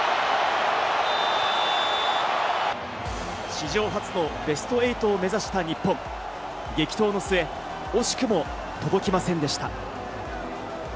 史上初のベスト８を目指した日本、激闘の末、惜しくも届きませんでした。